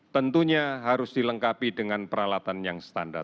tentunya harus dilengkapi dengan peralatan yang standar